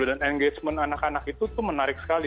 dan engagement anak anak itu menarik sekali